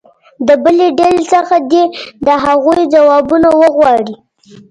د بلې ډلې څخه دې د هغو ځوابونه وغواړي.